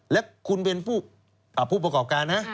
และคุณเป็นผู้ประกอบการนะ